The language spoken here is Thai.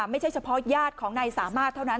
ไม่ใช่เฉพาะญาติของนายสามารถเท่านั้น